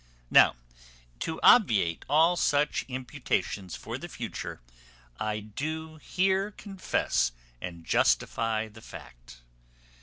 Now, to obviate all such imputations for the future, I do here confess and justify the fact.